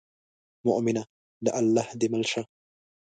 مومنه له الله دې مل شي.